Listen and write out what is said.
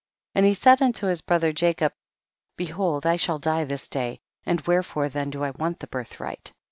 12. And he said unto his brother Jacob, behold I shall die this day, and wherefore then do I want the birthright